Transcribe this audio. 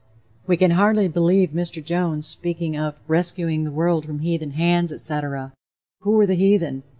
We can hardly believe Mr. Jones speaking of "rescuing the world from heathen hands," etc. Who were the heathen?